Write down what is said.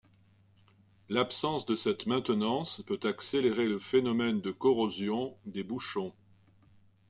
L'absence de cette maintenance peut accélérer le phénomène de corrosion des bouchons.